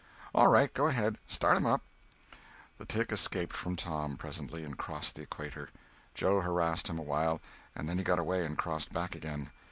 "All right, go ahead; start him up." The tick escaped from Tom, presently, and crossed the equator. Joe harassed him awhile, and then he got away and crossed back again.